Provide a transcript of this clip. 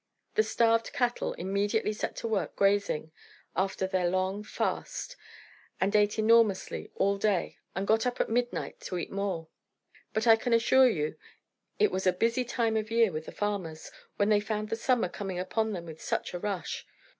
The starved cattle immediately set to work grazing, after their long fast, and ate enormously all day, and got up at midnight to eat more. But I can assure you it was a busy time of year with the farmers, when they found the summer coming upon them with such a rush.